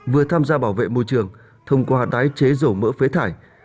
vừa tham gia bảo vệ môi trường thông qua tái chế rổ mỡ phế thải